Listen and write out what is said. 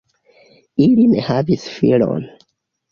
Ili ne havis filon.